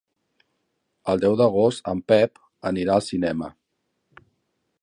El deu d'agost en Pep anirà al cinema.